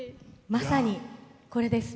まさに、これです。